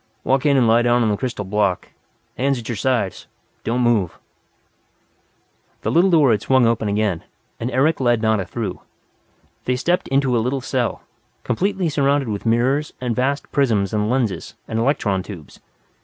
Walk in and lie down on the crystal block. Hands at your sides. Don't move." The little door had swung open again, and Eric led Nada through. They stepped into a little cell, completely surrounded with mirrors and vast prisms and lenses and electron tubes.